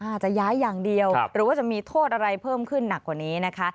อาจจะย้ายอย่างเดียวหรือว่าจะมีโทษอะไรเพิ่มขึ้นหนักกว่านี้นะคะ